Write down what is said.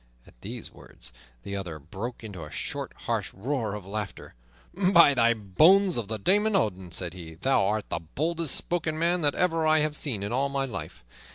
At these words the other broke into a short, harsh roar of laughter. "By the bones of the Daemon Odin," said he, "thou art the boldest spoken man that ever I have seen in all my life.